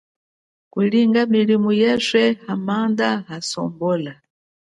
Ulinga milimo ye yeswe ha matangwa asambono.